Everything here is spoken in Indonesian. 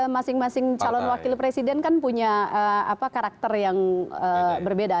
masing masing calon wakil presiden kan punya karakter yang berbeda